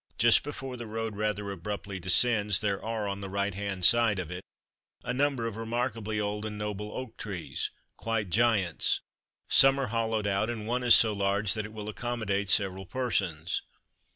Just before the road rather abruptly descends there are, on the right hand side of it, a number of remarkably old and noble oak trees, quite giants. Some are hollowed out, and one is so large that it will accommodate several persons.